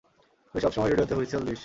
তুই সবসময় রেডিওতে হুইসেল দিস।